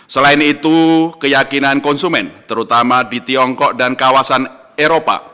selain itu keyakinan konsumen terutama di tiongkok dan kawasan eropa